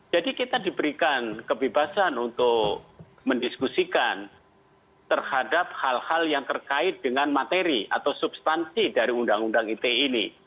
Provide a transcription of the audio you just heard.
jadi kita diberikan kebebasan untuk mendiskusikan terhadap hal hal yang terkait dengan materi atau substansi dari undang undang it ini